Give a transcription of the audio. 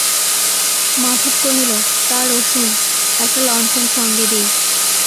মাধব কহিল, তা, রসুন, একটা লণ্ঠন সঙ্গে দিই।